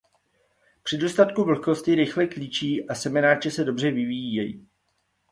Při dostatku vlhkosti rychle klíčí a semenáče se dobře vyvíjejí.